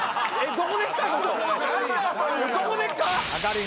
どこでっか？